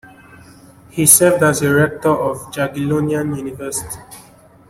He served as rector of Jagiellonian University.